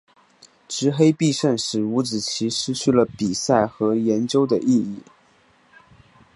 执黑必胜使五子棋失去了比赛和研究的意义。